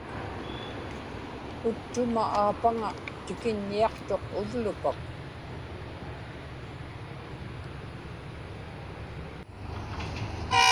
uttuma aapaŋa tikiññiaqtuq uvlupak